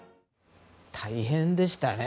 大変でしたね。